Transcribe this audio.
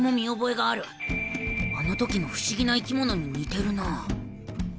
あのときの不思議な生き物に似てるなぁ。